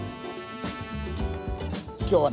今日はね